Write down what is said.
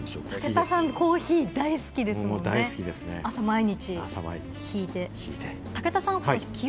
武田さん、コーヒー大好きですもんね、朝、毎日挽いて。